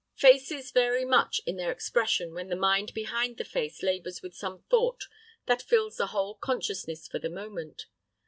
Faces vary much in their expression when the mind behind the face labors with some thought that fills the whole consciousness for the moment.